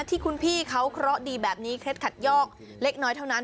ที่คุณพี่เขาเคราะห์ดีแบบนี้เคล็ดขัดยอกเล็กน้อยเท่านั้น